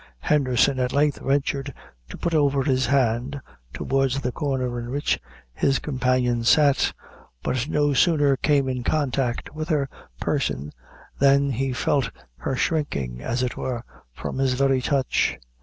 Henderson, at length, ventured to put over his hand towards the corner in which his companion sat; but it no sooner came in contact with her person, than he felt her shrinking, as it were, from his very touch.